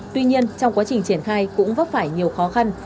tuy nhiên trong quá trình triển khai cũng vấp phải nhiều khó khăn